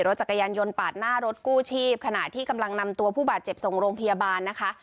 รถจักรยานยนต์ปาดหน้ารถกู้ชีพขณะที่กำลังนำตัวผู้บาดเจ็บส่งโรงพยาบาลนะคะ